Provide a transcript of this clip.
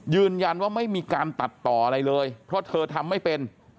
ยืนยันว่าไม่มีการตัดต่ออะไรเลยเพราะเธอทำไม่เป็น